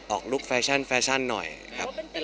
ออกลุ้กแฟชั่นหน่อยครับ